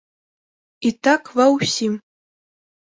І так ва ўсім.